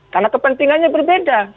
karena kepentingannya berbeda